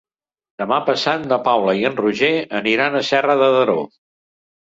Demà passat na Paula i en Roger aniran a Serra de Daró.